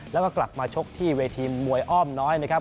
แล้วก็กลับมาชกที่เวทีมวยอ้อมน้อยนะครับ